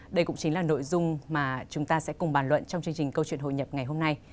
đây cũng chính là nội dung mà chúng ta sẽ cùng bàn luận trong chương trình câu chuyện hội nhập ngày hôm nay